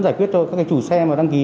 giải quyết cho các chủ xe đăng ký